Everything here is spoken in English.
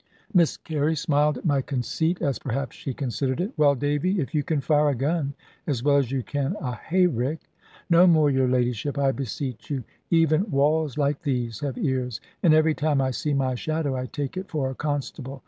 Miss Carey smiled at my conceit, as perhaps she considered it; "Well, Davy, if you can fire a gun, as well as you can a hay rick " "No more, your ladyship, I beseech you. Even walls like these have ears; and every time I see my shadow, I take it for a constable.